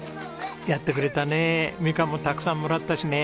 やってくれたねミカンもたくさんもらったしね。